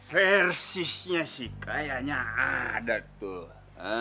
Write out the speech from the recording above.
persisnya sih kayaknya ada tuh